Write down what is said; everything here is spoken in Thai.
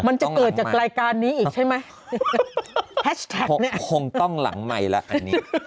มันจะเกิดจากรายการนะอีกใช่ไหมเนี่ยคงต้องหลังใหม่ล่ะอันนี้